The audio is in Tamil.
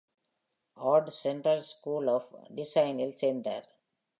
ஆர்ட் சென்டர் ஸ்கூல் ஆஃப் டிசைனில் சேர்ந்தார்.